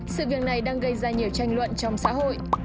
sự việc này đang gây ra nhiều tranh luận trong xã hội